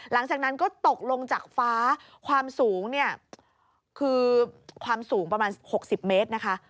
หลังจากนั้นก็ตกลงจากฟ้าความสูงคือประมาณ๖๐เมตร